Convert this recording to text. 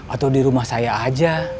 atau di rumah saya aja